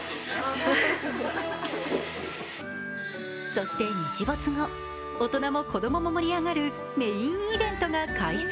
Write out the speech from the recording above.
そして日没後大人も子供も盛り上がるメインイベントが開催